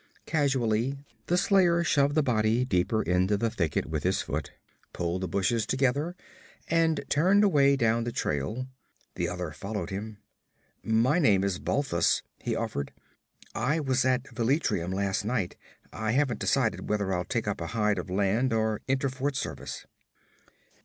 Casually the slayer shoved the body deeper into the thickets with his foot, pulled the bushes together and turned away down the trail. The other followed him. 'My name is Balthus,' he offered. 'I was at Velitrium last night. I haven't decided whether I'll take up a hide of land, or enter fort service.'